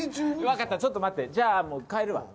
分かったちょっと待ってじゃあもう変えるわ。